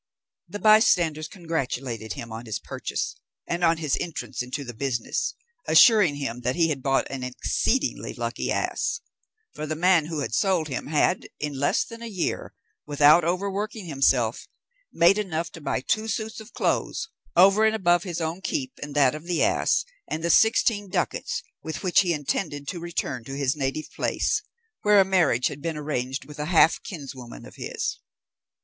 The bystanders congratulated him on his purchase, and on his entrance into the business, assuring him that he had bought an exceedingly lucky ass, for the man who had sold him had, in less than a year, without over working himself, made enough to buy two suits of clothes, over and above his own keep, and that of the ass, and the sixteen ducats, with which he intended to return to his native place, where a marriage had been arranged with a half kinswoman of his.